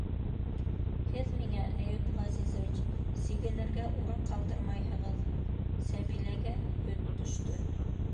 Һеҙ миңә, Әйүп Ғәзизович, сигенергә урын ҡалдырмайһығыҙ: Сәбиләгә... һөт төштө...